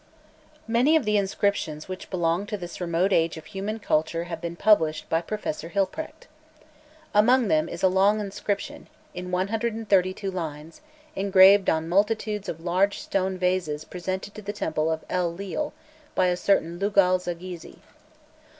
Many of the inscriptions which belong to this remote age of human culture have been published by Professor Hilprecht. Among them is a long inscription, in 132 lines, engraved on multitudes of large stone vases presented to the temple of El lil by a certain Lugal zaggisi.